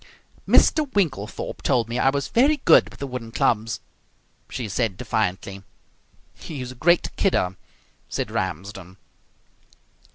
"Mr Winklethorpe told me I was very good with the wooden clubs," she said defiantly. "He's a great kidder," said Ramsden.